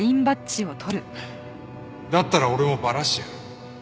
だったら俺もバラしてやる。